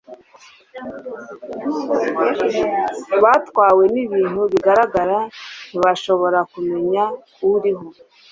batwawe n'ibintu bigaragara ntibashobora kumenya uriho